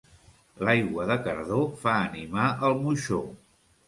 L'aigua de Cardó fa animar el moixó.